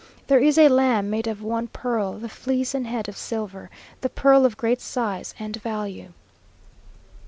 There is a lamb made of one pearl, the fleece and head of silver; the pearl of great size and value.